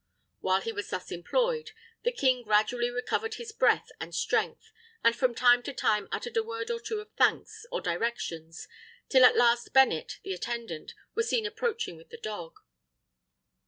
While he was thus employed, the king gradually recovered his breath and strength, and from time to time uttered a word or two of thanks or directions, till at last Bennet, the attendant, was seen approaching with the dog.